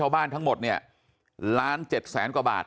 บ้านทั้งหมดเนี่ย๑๗๐๐๐๐๐กว่าบาท